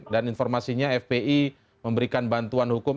dan informasinya fpi memberikan bantuan hukum